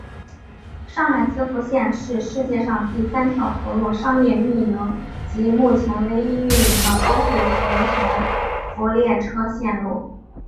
上海磁浮线是世界上第三条投入商业运营及目前唯一运营的高速磁悬浮列车线路。